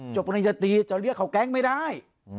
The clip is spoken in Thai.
ปริญญาตรีจะเรียกเขาแก๊งไม่ได้